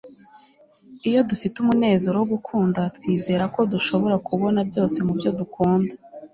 iyo dufite umunezero wo gukunda, twizera ko dushobora kubona byose mubyo dukunda